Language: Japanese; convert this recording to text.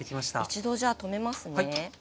一度じゃあ止めますね。